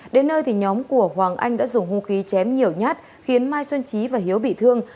đến nơi thì nhóm của hoàng anh đã dùng hung khí chém nhiều nhát khiến mai xuân trí và hiếu bị thương